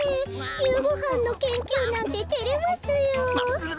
ゆうごはんのけんきゅうなんててれますよ。